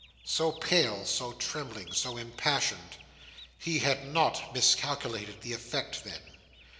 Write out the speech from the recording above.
So pale, so trembling, so impassioned! He had not miscalculated the effect then!